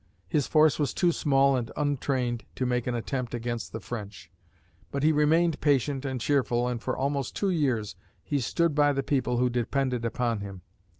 His force was too small and untrained to make an attempt against the French; but he remained patient and cheerful and for almost two years, he stood by the people who depended upon him.